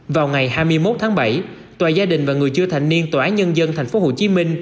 vào ngày hai mươi một tháng bảy tòa gia đình và người chưa thành niên tòa án nhân dân tp hcm